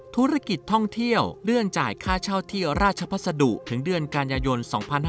ธุรกิจท่องเที่ยวเลื่อนจ่ายค่าเช่าที่ราชพัสดุถึงเดือนกันยายน๒๕๕๙